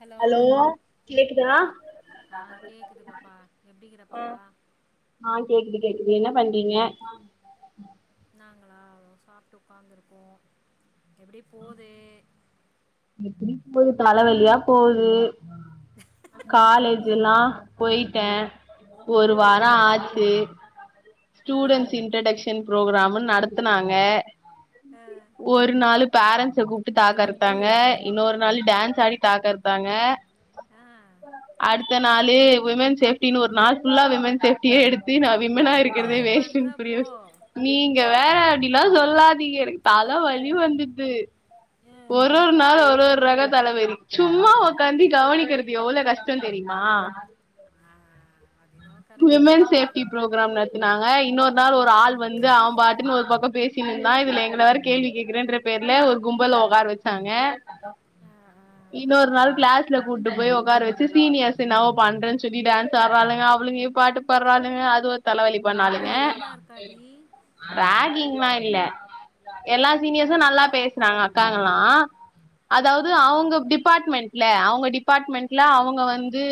Hello ஆ கேக்குதா ஆ கேக்குது பாப்பா எப்டிக்கிற பாப்பா ஆ கேக்குது கேக்குது என்ன பண்றீங்க நாங்களா சாப்ட்டு உக்காந்துருக்கோ எப்டி போது எப்டி போது தலவலியா போது காலேஜுலா போய்ட்டே ஒரு அதா வாரோ ஆச்சு அ ஸ்டூடண்ட் இன்ட்டக்ஷ ன் புரோக்ராம்னு நடத்துனாங்க அ ஒர் நாளுப் பேரண்ட்ஸ கூப்ட்டு தாக்கறுத்தாங்க இன்னொரு நாளு டான்ஸ் ஆடி தாக்கறுதாங்க ஆ அடுத்த நாளு வுமன் ஸேஃப்ட்டினு ஒரு நாள் ஃபுல்லா விமன் ஸேஃப்ட்டியே எடு டீ நா விமனா இருக்கறதே என்ஜாய் பண்ற வேஷ்ட்டுன் புரிய போ வெ நீங்க வேற அப்டில்லா சொல்லாதீங்க எனக்கு தலவலி வந்துட்து அ ஒரொர் நாளு ஒர்ரொரு ரக தலவெலி சும்மா ஒக்காந்தி கவனிக்கிறது எவ்ளா கஷ்டந்தெரிமா ஆ அது என்னவோ கரெக்ட்டு தா விமன் சேஃப்டி ப்ரோக்ராம் நடத்தினாங்க இன்னோர் நாள் ஒரு ஆள் வந்து அவம்பாட்டுனு ஒரு பக்கோ பே சின்ந்தா இதுல எங்கள வேற கேள்வி கேக்குறன்ற பேர்ல ஒரு கும்பல ஒக்கார வெச்சாங்க ஆ ஆ இன்னோர் நாள் க்ளாஸ்ல கூட்டுபோய் ஒக்கார வெச்சி சீனியர்ஸ் என்னவோ பண்றஞ்சொல்லி டான்ஸ் ஆட்றாளுங்க அவுளுங்க பாட்டு பாட்றாளுங்க அது ஒரு தலவலி பண்ணாளுங்க ராகிங்லா இருக்காடி ரேகிங்லா இல்ல எல்லா ஆ சீனியர்ஸு நல்லா பேசுனாங்க க்காங்களா அதாவுது ஆ ஆ அவுங்க டிபார்ட்மெண்ட்ல அவுங்க டி பாட்மெண்ட்ல அவுங்க ஓகே ஓகே வந்து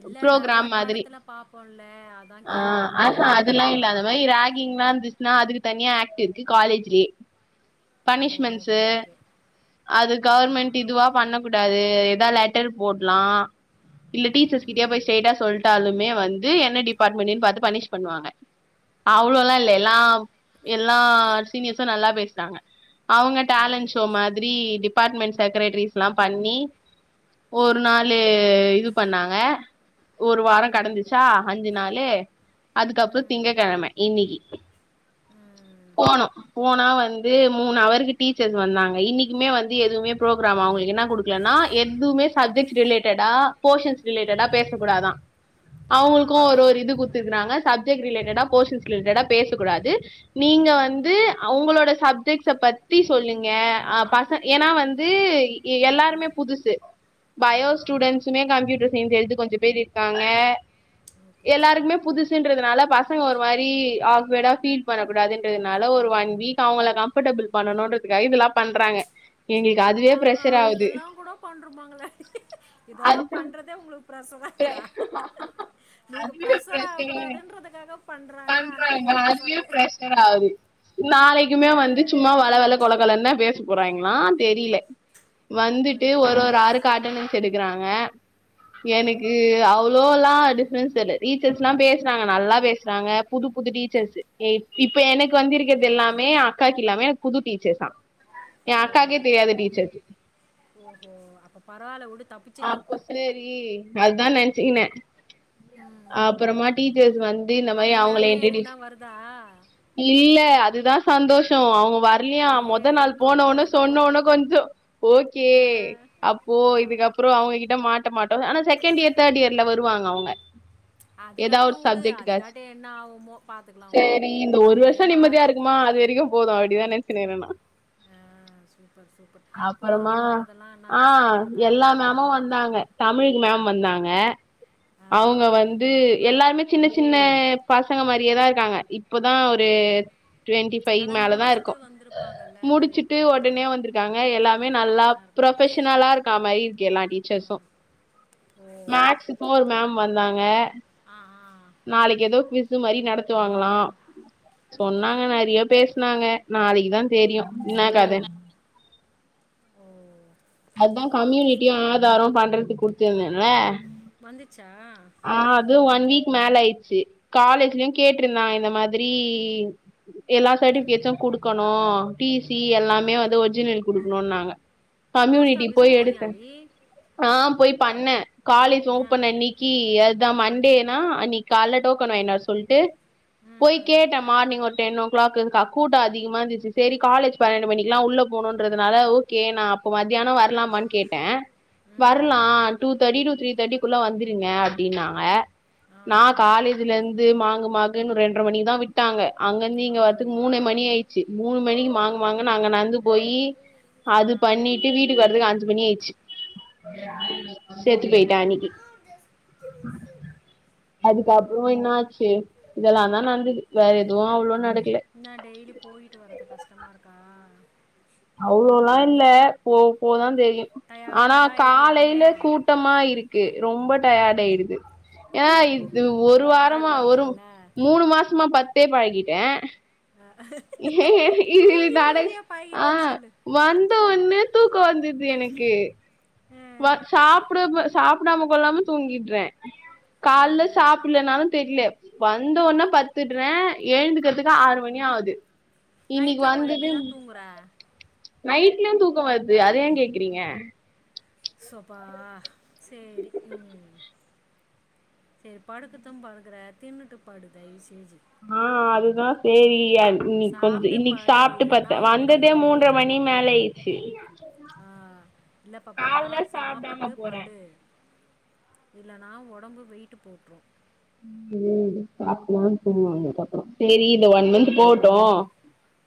இல்ல நெறைய ப்ரோகிராம் மாத்ரி படத்துல பாப்போல்ல அதா ஆ கேக்குறே அந்த அ மாரி ஆ எதனா அதெல்ல இருக்கா இல்ல அந்த மாரி அப்டின்னு ராகிங்லா இருந்துச் சுனா அதுக்கு தனியா ஆக்ட் இருக்கு காலேஜ்லே ஓ பனிஷ்மென்ட்ஸு ஓகே ஓகே அது ஆ கவர்மெண்ட் இதுவா பண்ண கூடாது எதா லெட்டர் போட்லா இல்ல ம் டீச்சர்ஸ் கிட்டயே போயி ம் ஸ்ரெய்ட்டா சொல்ட்டாலுமே வந்து என்ன டிபார்ட்மெண்டுன்னு பாத்து பனிஷ் பண்ணுவாங்க ம் ஓ அவ்ளோல இல்ல எல்லா எல்லா சீனியர்ஸு நல்லா பேஸ்னாங்க அவுங்க ஓ டேலண்ட் ஷோ மாதிரி டிபார்ட்மெண்ட் செக்ரட்ரீஸ்லா பண்ணி ஒரு நாளு ம் இது பண்ணாங்க ஒரு ம் வாரங்கடந்துச்சா அஞ்சு நாலு அதுக்கப்றோ ம் திங்கக்கெழம இன்னிக்கி ம் போனோ போனா வந்து மூணு அவருக்கு டீச்சர்ஸ் வந்தாங்க இன்னிக்குமே வந்து எதுவுமே ப்ரோக்ராம் அவுங்குளுக் என்ன குடுக்கலன்னா எதுவுமே சப்ஜெக்ட் ரிலேட்டடா போஷன்ஸ் ரிலேட்டடா பேசக்கூடாதா ஆ அவுங்களுக்கு ஒரொரு இது குடுத் துக்றாங்க சப்ஜெக்ட் ரிலேட்டடா போஷன்ஸ் ரிலேட்டடா பேச கூடாது நீங்க ஆ வந்து அவுங்களோட சப்ஜெக்ட்ஸ பத்தி சொல்லுங்க அ பசங் ஏனா வந்து எ எல்லாருமே ம் புதுசு பயோ ஆமா ஸ்டூடண்ட்ஸுமே கம்ப்யூட்டர் சயின்ஸ் எடுத்து கொஞ்ச பேர் இருக்காங்க ஓகே ஓகே எல்லாருக்குமே புதுசு ன்றனால பசங்க ஒரு மாரி ஆக்வேடா ஃபீல் பண்ணக்கூடாதுன்றதுனால ஒரு ம் ஒன் வீக் அவுங்கள க ம்பட்டபிள் பண்ணனுன்றதுக்காக இதெல்லா பண்றாங்க எங்களுக்கு அதுவே பார்றா ப்ரெஷர் ஆகுது இதெல்லா கூட பண்ருப்பாங்களே இதெல்லா பண்றதே உங்களுக்கு பிரசவா அதுக்கு இருக்குதா நீங்க அதுவே ப்ரஷர் ஆக பிரஷர் கூடாதுன்றதுக்காக பண்றாங்க ஆனா நீங்க ப்ரெஷரா பிரஷர்ராவ்து நாளகிமே வந்து ஆ சும்மா வல வல கொழ கொழன் தா பேச போறாய்ங்ளா தெரில வந்துட்டு ஐயோ ஒரு ஒரு ஆறுக்கு அட்டனன்ஸ் எடுக்றாங்க ஆ எனக் இது அவ்ளோ எல்லா அப்ப டிப்ரென்ஸ் தெர்ல டீச்சர்ஸ் எல்லா பேசுறாங்க நல்லா பேஸ்றாங்க புது புது டீச்சர்ஸு ஏ இப்ப எனக்கு வந்திருக்கிறது எல்லாமே அக்காக்கு இல்லாமே புது டீச்சர்ஸ்சா எ அக்காகே ஓ தெரியாது டீச்சர்ஸு ஓஹோ அப்ப பரவால உடு தப்புச்ச நீ அப்ப சேரி அதுதா நெனச்சுக்கினே ம் அப்புறமா டீச்சர்ஸ் வந் து இந்த மாரி அந்த அவுங்கள மேமே இன்டிடியூஸ் எதுக்குன்னா வருதா இல்ல அதுதா சந்தோஷோ அவுங்க வ ர்லியா ஏ மொத நாளு போனவுன பரவாயில்ல போ சொன்னோன கொஞ்ச ஓகே ஆ, அப்போ ச- இதுக்கப் அப்புற அவுங்க கிட்ட மாட்ட மாட்டோ ஆனா செகண்ட் இயர் தேட் இயர்ல வருவாங்க அவுங்க ஏதா ஒரு அதுக்காட்டியும் விடு சப்ஜெட்டுகாச் அதுக்காட்டியும் என்ன ஆகுமோ பார்த்துக்கலாம் விடு செரி இந்த ஒரு அப்படியே வருஷ நிம்மதியா மாறும் இருக்குமா அது வரைக்கும் போது அப்டிதா நெனச்சுகினுற நா அ சூப்பர் சூப்பர் அப்பறமா போறது வர்றதெல்லா என்ன ஆ கஷ்டமா இருக்கா எல்லா கொஞ்சோ மேமு வந்தாங்க தமிழ் மேம் வந்தாங்க ஆ, அவுங்க வந்து எல்லாருமே சின்ன சின்ன பசங்க மாரியேதா இருக்காங்க இப்போதா ஒரு டுவெண்டி ஃபை அதை மேல தா முடிச்சிட்டு இருக்கு வந்திருப்பாங்கல்ல நிறைய முடிச்சுட்டு பேர் ஒடனே வந்திருக்காங்க எல்லாமே அந்த மாதிரி நல்லா என்ன இருக்கும் ப்ரஃபஷனலா இருக் அக்கா மாரி இருக்கு எல்லா டீச்சர்ஸு ஓ மேக்ஸ்க்கு ஒரு மேம் வந்தாங்க ஆ ஆ நாளைக்கு எதோ ஃபிஸு மாரி ஆஹா நடத்துவாங்களா சொன்னாங்க நெறய பேசினாங்க நாளைக்குதா தெரியு என்ன கதன் ஓ அதா கம்யூனிட்டியு ஆதாரு பண்றதுக்கு குடுத்திருந்தென்ல வந்துச்சா ஆ அதுவு ஒன் வீக் மேல ஆய்ச்சு காலேஜ்லயு கேட்ருந்தாங்க இந்த மாதிரி எல்லா ம் சர்ட்டிபிகேட்ஸ்சு குடுக்கணு டிசி ம் எல்லாமே வந்து ஒரிஜினல் குடுக்ணுனாங்க போஸ்ட் கம்யூனிட்டி ஆஃபீஸ் போய் எடுத்த போனியாடி ஆ போய் பண்ண காலேஜ் ஆ ஓப்பன் அன்னக்கி அதுதா மண்டேனா அன்னக்கி கால்ல டோக்கன் வாங்கினு வர சொல்ட்டு ம் போய் ம் கேட்டே மார்னிங் ஒரு டென்னோ க்ளாகுங்கா கூட்ட அதிகமா இருந்துச்சு சரி காலேஜ் பன்னெண்டு மணிக்கெல்லா உள்ள போணுன்றதுனால ஓகே நா அப் இப்பொ மத்தியான வரலாமான் கேட்ட ம் வர்லா ம் டூ தேட்டி டூ த்ரீ தேட்டிக்குள்ள வந்திருங்க அப்டினாங்க ஆ நா காலேஜ்ல இந்து மாங்கு மாங்குன் ரெண்ர மணிதா விட் விட்டாங்க அங்கிந்து ஆ இங்க வரதுக்கு ஐயோயோ மூணு மணி ஆயி சி மூணு மணிக்கு ஆ மாங்கு மாங்கென அங்க நடந்து போயி ஆ அதுப் பண்ணிட்டு வீட்டுக்கு வரறதுக்கு அஞ்சு மணி ஆய்ச்சு ம் செத்து பெய்ட்டா அன்னிக்கி அதுக்கப்புற இன்னாச்சு இதெல்லா தா நடந்தது வேற எதுவு அவ்ளோ நடக்கல என்னா டெய்லி போய்ட்டு வரது கஷ்டமா இருக்கா அவ்ளோலா இல்ல போ போதா தெரியு ஆனா டயர்டாக காலயில இருறியாமே கூட் ட்டமா இருக்கு ரொம்ப டயடு ஆய்டுது ஏ இ இது ம் ஒரு வாரமா பழக்கம் ஒரு இல்லைல்ல மூணு மாசமா பத்தே பழகிட்டே ஆ இதிலி தூங்கி நாடக தூங்கியே அ பழகிட்டேன்னு சொல்லு வந்தோன்ன தூக்க வந்தது எனக்கு வ சாப்ட சாப்டாம கொல்லாம தூங்கிட்ற கால்ல சாப்பிலனாலு தெரில வந்தோன்ன பத்துடுவே எழுந்துக்கிறதுக்கு ஆறு மணி ஆகுது இன்னிக்கு வந்துட்டும் போற நைட்லயு தூக்க வருது அத ஏ கேக்குறீங்க ஸ்சொப்பா செரி ம் சரி படுக்கத்து படுகிற தின்னுட்டு படு தயவு செஞ்சு ஆ அதுதா சேரி யன் இன்னைக்கு கொஞ்ச சாப்பிட்டு இன்னைக்கு படு சாப்ட்டு இல்லைன்னா பத்தே உடம்பு வந்ததே மூன்ற வெயிட் மணி மேல போட்டுரும் ஆயிடுச்சு ஆ இல்ல பாப்பா கால்ல சாப்டாம சாப்பிட்டு போறே படு இல்லனா ஒடம்பு வெயிட்டு போட்டுரு சேரி இந்த ஒன் மந்த் போகட்டு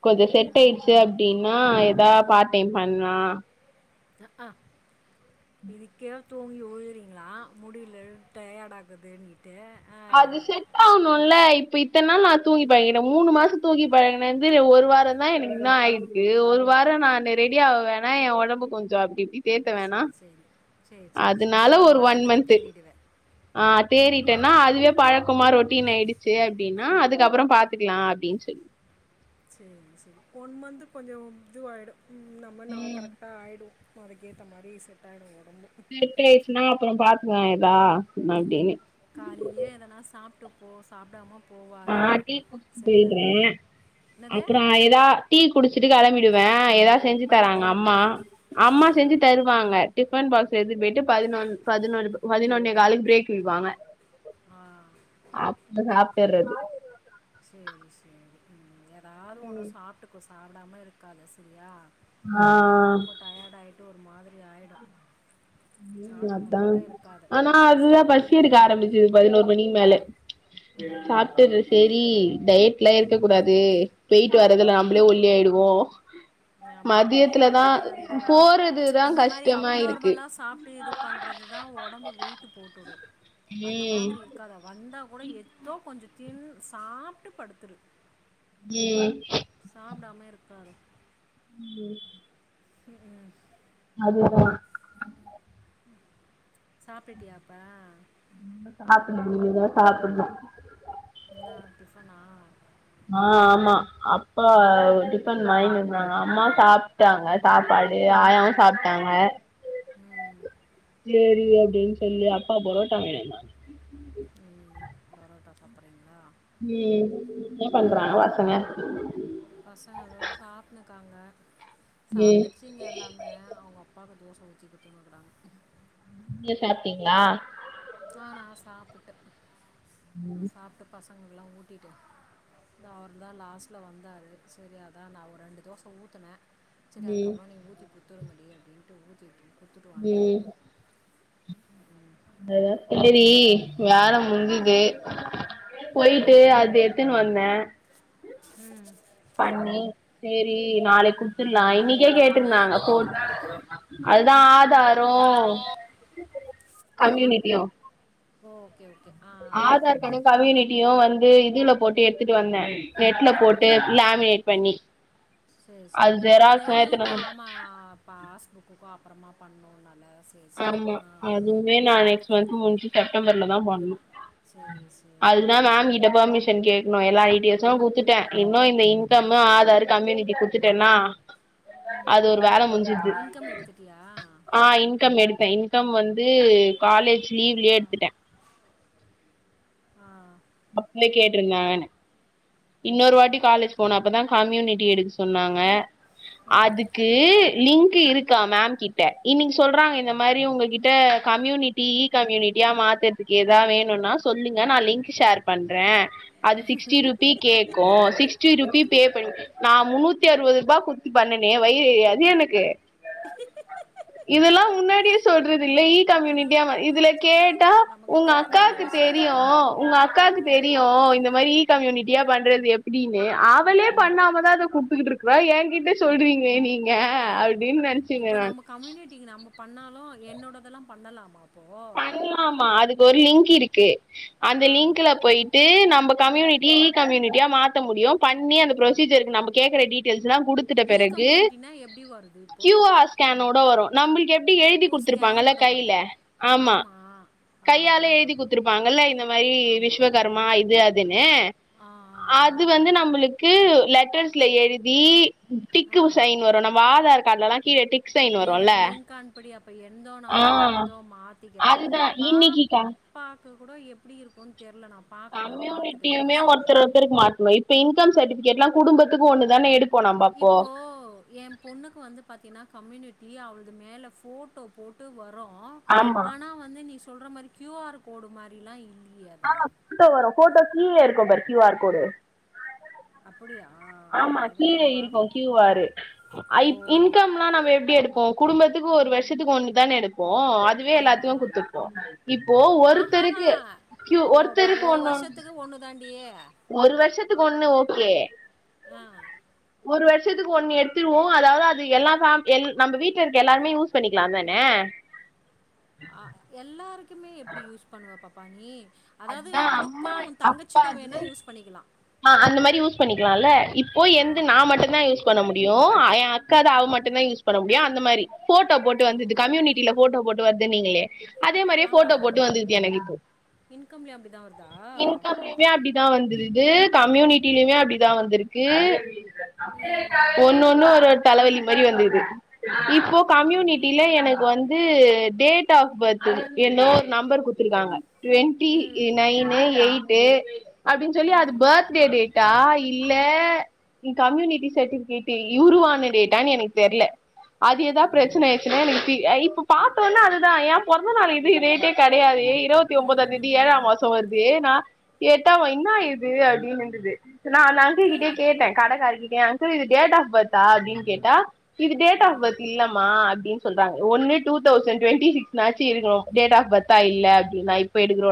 கொஞ்சோ ம் செட் ம். ஆயிடுச்சு அப்டின்னா ஏதா பார்ட் டைம் பண்ணலா அக்ஹா இதுக்கே தூங்கி வுழுகிறீங்களா முடில டயர்ட் ஆகுதுன்னுட்டு அது செட் ஆகணும்ல இப்ப இத்தன நாள் நா தூங்கி பழகிட்டே மூணு மாசம் தூங்கி பழகினது ஒரு வார எனக்கு இன்னு ஆயிருக்கு ஒரு வார நானு ரெடி ஆக வேணா ஏ ஒடம்பு கொஞ்சோ அப்டி இப்டி தேத்த வேணா சரி சரி சரி சரி சரி அதுனால ஒரு ஒன் மாசத்துல மன்த்து தேறிடுவேன் ஆ ம் தேறிட்டேன்னா அதுவே பழக்கமா ரொட்டீன் ஆயிடுச்சு அப்டின்னா அதுக்கப்றோ பாத்துக்கலா அப்படின்னு சொல்லி சேரி சோரி ஒன் மந்த் கொஞ்சோ இது ஆயிடு நம்ம நா ம் கரெக்ட் ட்டா ஆயிடு அதுக்கேத்த மாரி செட் ஆயிடு ஒடம்பு செட்டா ஆயிடுச்சுன்னா அப்றோ பாத்துக்கலா எதா அப்டின்னு காலைலியே எதனா சாப்பிட்டு போ சாப்பிடாம நா போவாத செரியா அப்றோ எதாவது டீ குடிச்சிட்டு கெளம்பிடுவே எதாவது இது செஞ்சு தராங்க அம்மா பைத்தியமே அம்மா ஆ செஞ்சு தரு வாங்க டிஃபன் பாக்ஸ் எடுத்துனு போயிட்டு பதினொ பதினொ பதினொன்னே காலுக்கு பிரேக் விடுவாங்க ஆ அப்ப சாப்பிட்றது சேரி சேரி ம் எதாவது ஒண்ணு சாப்டுக்கோ சாப்டாம இருக்காத செரியா ஆ அதுவே ஒடம்பு டயர்ட் ஆயிட்டு ஒரு மாதிரி ஆயிடு ம் அதா ஆனா அதுதா ஸ்கிப் பசி எடுக்க பண்ணினா ஆரம்பிச்சுது பதினோரு மணிக்கு மேலே ம் சாப்பிட்டற சேரி டயட் எல்லா இருக்க கூடாது வெயிட் வர்றதுல நம்மளே ஒல்லி ஆயிடுவோ ஆமா போயிட்டு மதியத்துலதா வர்றதுலயே அது இதுவாயிடு போறதுதா இந்த மாரி கஷ்டமா இருக்கு அப்நார்மலா சாப் ட்டு இது பண்றதுதா ஒடம்பு வெயிட்டு போட்டுடு அந்த ம் மாதிரி க்காத வந்தா கூட எதோ கொஞ்ச தின் சாப்ட்டு படுத்துரு ம் சாப்டாம இருக்காத ம் ம் அதுதா சாப்டிட்டியாப்பா இன்னு [inaudible] முடில இனிதா சாப்பிட்னு என்ன டிஃப்பனா ஆ ஆமா அப்பா டிஃபன் வாங்கின்னு வந்தாங்க அம்மா சாப்டாங்க சாப்பாடு ஆயாவு சாப்டாங்க ம் சேரி அப்டின்னு சொல்லி அப்பா புரோட்டா வாங்கிட்டு வந்தாங்க ம் பரோட்டா சாப்பிட்றீங்களா ம் என்ன பண்றாங்க ம் பசங்க பசங்க இதோ சாப்டுனு இக்காங்க ம் சாப்பிட்டு த்திங்க எல்லாமே அவங்க அப்பாவுக்கு தோச இத்தி குடுத்துனு இருக்காங்க நீ சாப்பிட்டீங்களா ஆ நா சாப்பிட்டே சாப்பிட்டு பசங்கலுக்கெல்லா ஊட்டிட்டே அவர் தா லாஸ்ட்ல வந்தாரு சரி அதா நா ஒரு ரெண்டு தோச ஊத்துனே சரி ம் அதுக்கப்றோ நீ ஊத்தி குத்துருங்கடி அப்டின்ட்டு ஊத்தி குத்துட்டு வன்ட்டே ம் அதா செரி வேல முஞ்சுது போயிட்டு ம் அது எத்துன்னு வந்தே ம் பண்ணி சேரி நாளைக்கு குடுத்துல்லா இன்னைக்கே என்ன கேட்ருந்தாங்க எத்தனை போ அந்த போயிட்டு அதுதா ஆதாரும் என்னதுமா கம்யூனிட்டியு ஓகே ஓகே ஆ ஆதார் கார்டும் கம்யூனிட்டியு வந்து இதுல போட்டு எடுத்துட்டு வந்தே நெட்ல ஓ போட்டு லேமினேட் பண்ணி சரி சரி அது அந்த ஜெராக்ஸ்லா எடுத்துனு இதுக்கும் வந் ஆமா பாஸ்புக்குக்கும் அப்புறமா பண்ணும் நல்லா செரி செரி ஆ இனிமே நா நெஸ்ட் மந்த் முஞ்சு செப்டம்பர்ல தா பண்ணனும் சரி சரி அதுக்கு தா ம் மேம் கிட்ட பெர்மிஸன் ட்ட கேக்கணும் எல்லா ஐ டிஸும் குத்துட்டேன் இன்னும் இந்த இன்கம் ஆதார் கம்யூனிட்டி குத்துட்டேன்னா அது ம் ஒரு வேல ம் முடஞ்சுது இன்கம் எடுத்துட்டியா ஆ இன் கம் எடுத்தே இன்கம் வந்து காலேஜ் லீவ்லயே எடுத்துட்டே ஆ அப்பே கேட்டிருந்தாங்க என்ன இன்னொரு ஓகே வாட்டி ஓகே காலேஜ் போன அப்பதா கம்யூனிட்டி எடுக்க சொன்னாங்க ம் அதுக்கு க்கு லிங்க் இருக்கா மேம் கிட்ட இன்னைக்கு சொல்றாங்க இந்த மாரி உங்க கிட்ட கம்யூனிட்டி ட்டி ஈ கம்யூனிட்டியா மாத்தறதுக்கு ஏதாவ வேணுன்னா சொல்லுங்க நா லிங்க் ஷேர் பண்றேன் அது சிக்ஸ்டி ருபி கேட்கும் சிக்ஸ்டிருபி பே பண்ண நா முன்னூத்தி அறுவது ரூபா குத்தி பண்ணனே வயிறரியாது எனக்கு கிங் கீகு இதெல்லா முன்னாடியே சொல்றது இல்ல இ கம்யூனிட்டியா அதெல்லாம் இதுல முன்னாடி கேட்டா சொல்லாதுங்க நமக்கு உங்க தேவையான அக்காக்கு விஷயம்லாம் தெரியும் உங்க அக்காக்கு தெரியும் இந்த மாரி ஈ கம்யூனிட்டியா பண்றது எப்டின்னு அவளே பண்ணாமதா அத குடுத்துக்கிட்டு இருக் கிறா ஏங்கிட்ட சொல்றீங்களே நீங்க அப்டின்னு நெனச்சீங்க இப்போ நானு நம்ம கம்யூனிட்டிக்கு நம்ம பண்ணாலும் என்னோடதெல்லா பண்ணலாமா அப்போ ஆமா அதுக்கு ஒரு லிங்க் இருக்கு அந்த ஆ லிங்க்ல போயி ட்டு நம்ம கம்யூனிட்டி இ கம்யூனிட்டியா மாத்த முடியும் பண்ணி அந்த புரொசீஜருக்கு நம்ம கேக்குற டீட்டேல்ஸ்ல்லா குடுத் துட்ட இ பெறகு கம்யூனிட்டினா எப்படி வருது கியூ இப்போது ஆர் ஸ்கேனோட வரும் நம்மளுக்கு எப்டி எழுதி ஓ குடுத்துருப்பாங்கல்ல ஸ்கேனோட கையில வருதா ஆமா ஆமாம் ஆ கையாலே ஆ எழுதி குத்துருப்பாங்கல்ல இந்த மாரி ஆமாம் விஸ்வகர்மா இது அதுன்னு ஆ ஆ அது வந்து நம்மளுக்கு லெட்டர்ஸ்ல எழுதி டிக்கு ஆ ஆ சைன் வரும் நம்ம ஆதார் கால்லல்லா கீழ டிக் சைன் ஏ வருல்ல எனக்கு லிங் அனுப்புடி அப்ப எந்தோ ஆ நானு அவர்தோ மாத்திக்கிறே அதுதா இன்னிக்கி பாப் க பாக்கு கூட எப்டி இருக்குன்னு தெரில நா பாக்கறே நா பாத்துட்டு வேணா சொல்றே எடுக்க மாட்டோ இப்ப இன்கம் சட்டிபிகேட்ல்லா குடும்பத்துக்கு ஒன்னு தான எடுப் இப்போ ஏ பொண்ணுக்கு வந்து பாத்தின்னா கம்யூனிட்டி அவளது மேல ஃபோட்டோ போட்டு வரோ ஆமா ஆனா வந்து நீ சொல்ற மாரி கியூ ஆர் கோடு மாரிலா இல்லயே அதுல ட்டோ வரு போட்டோ கிழ இருக்கோ பாரு கியூ ஆர் கோடு அப்புடியா ஆமா கீழ இருக்கு க்யூ ஆரு ஆ ஓ! இப் இன்கம்ல்லா நம்ம எப்டி எடுப்போ குடும்பத்துக்கு ஒரு வருஷத்துக் ஒன்னுதான எடுப்போ அ துவே ஆமா. எல்லாத்தியு குத்துப்போ இப்போ ஒருத்தருக்கு கியூ அ வ வ ஒருத்தருக்கு ஒரு ஒண்ணு வருஷத்துக்கு ஒன்னு தான்டி ஒரு வருஷத்துக் ஒண்ணு ஓகே ஆ ஒரு வருஷத்துக்கு ஒண்ணு எடுத்துக்குவோ அதாவத் அது எல்லா ஃப்ரேம் எல் நம்ம வீட்ல இருக்க எல்லாருமே யூஸ் பண்ணிக்கிலா தானே ஆ எல்லாருக்குமே எப்டி யூஸ் பண்ணுவே பாப்பா நீ அதாது அதுதா உனக்கு அம்மா உ அப்பா தங்கச்சிக்கு அது வேணா யூஸ் பண்ணிக் ஆ அந்த மாரி யூஸ் பண்ணிக்கிலால இப்போ ஆ. எந்து நா மட்டுந்தா யூஸ் பண்ண முடியு ஆ எ அக்காது அவ மட்டுந்தா யூஸ் பண்ண முடியு அந்த மாரி ஃபோட்டோ போட்டு ஓ! வந்துத்து கம்யூனிட்டில ஃபோட்டோ போட்டு வருதுனீங்களே அதே மாரியே ஃபோட்டோ போட்டு வந்துது எனக்கிப்போ இன்கம்லே அப்பிடிதா வரு இன்கம்லியுமே அப்பிடிதா வந்துகுது கம்யூனிட்டிலியுமே அப்பிடிதா வந்திருக்கு ம் ஒன்னு ஒன்னு ஒரு ஒரு தலவெலி மாரி வந்துகிது இப்போ ஓ கம்யூனிட்டில எனக்கு வந் து டேட் ஆஃப் பர்த்துது என்னோ ஓர் நம்பர் குத்துருக்காங்க த்ரி ம் நைனு எய்ட்டு அப்டின் சொல்லி அது ம் பேத்டே டேட் டா இல்ல கம்யூனிட்டி சட்டிஃபிகேட்டு யுருவான டேட்டானு எனக்கு தெர்ல அது எதா ஓ ப்ரெச்சனயாய்ச்சின்னா எனக்கு ஃபி அ இப்போ பாத்தொன்னே அதுதா ஏ பொறந்த நாளு இது ரேட்டே கெடையாதே இருவத்தி உம்பதா தேதி ட்டா பாசோ வருதே நா எட்டாவ இன்னா இது அப்டினிந்துது நா அந்த அங்குள் ஆ கிட்டேயே கேட்டே கடகாருகிட்டயே அங்குள் இது டேட் ஆப் பர்தா அப்டின் கேட்டா இது டேட் ஆஃப் பகத் இல்லமா அப்டின் சொல்றாங்க ஒன்னு டூ தௌசண் டுவெண்டி சிக்ஸ்னாச்சி இருக்கணு டேட் ஆஃப் பர்த்தா இல்ல அப்டினு நா இப்ப எடுக்கிறோ